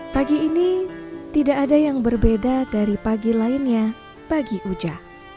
pagi ini tidak ada yang berbeda dari pagi lainnya bagi uja